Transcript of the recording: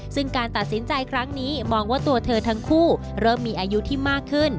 ซึ่งการตัดสินใจครั้งนี้มองว่าตัวเธอทั้งคู่เริ่มมีอายุที่มากขึ้น